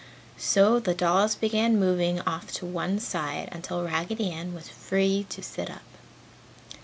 So the dolls began moving off to one side until Raggedy Ann was free to sit up.